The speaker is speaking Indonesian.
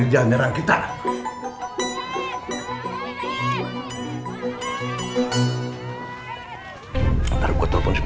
ada yang nuduh kelompoknya bang muhid